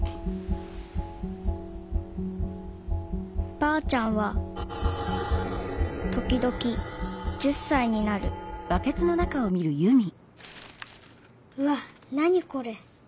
ばあちゃんは時々１０さいになるうわっ何これ。